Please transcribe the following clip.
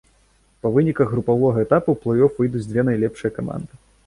Па выніках групавога этапа ў плэй-оф выйдуць дзве найлепшыя каманды.